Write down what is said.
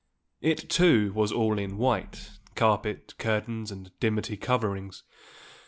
It, too, was all in white, carpet, curtains and dimity coverings.